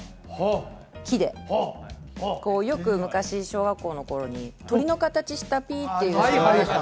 あ木でよく昔小学校の頃に鳥の形したピーッていうやつ